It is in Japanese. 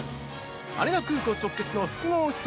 羽田空港直結の複合施設